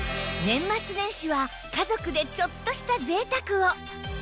年末年始は家族でちょっとした贅沢を